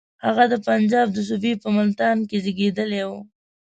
هغه د پنجاب د صوبې په ملتان کې زېږېدلی وو.